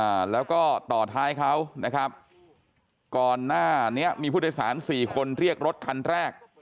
อ่าแล้วก็ต่อท้ายเขานะครับก่อนหน้านี้มีผู้โดยสารสี่คนเรียกรถคันแรก